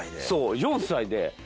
そう４歳で。